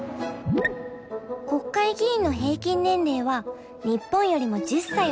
国会議員の平均年齢は日本よりも１０歳若い４７歳。